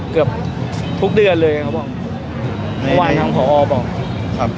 เกือบทุกเดือนเลยเขาบอกว่าวายน้ำขอออบอ่ะ